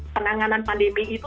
penanganan pandemi itu